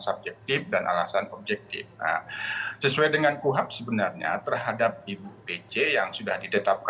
atau tidaknya terhadap